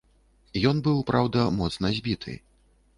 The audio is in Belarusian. Ён быў, праўда, моцна збіты.